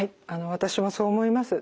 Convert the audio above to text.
私もそう思います。